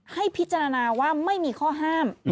ให้พิจารณาว่าไม่มีข้อห้าม